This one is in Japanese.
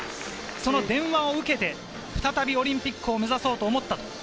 その電話を受けて再びオリンピックを目指そうと思ったと。